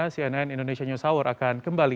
jangan kemana mana cnn indonesia news hour akan kembali